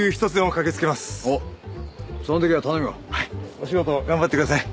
お仕事頑張ってください。